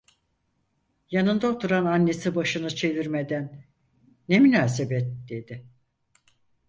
Yanında oturan annesi başını çevirmeden: "Ne münasebet!" dedi.